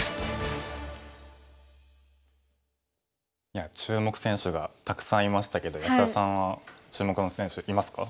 いや注目選手がたくさんいましたけど安田さんは注目の選手いますか？